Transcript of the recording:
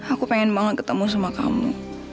aku pengen banget ketemu sama kamu